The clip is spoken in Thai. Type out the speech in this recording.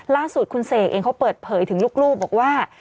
ล่าสุดคุณเสกเองเขาเปิดเผยถึงลูกบอกว่า